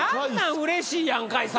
「うれしいやんかいさ」